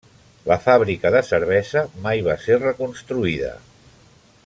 La fàbrica de cervesa mai va ser reconstruïda.